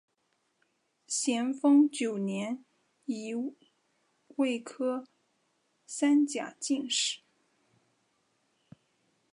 咸丰九年己未科三甲进士。